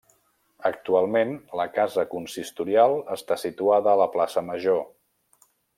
Actualment la Casa Consistorial està situada a la plaça Major.